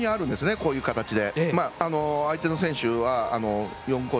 こういう形で。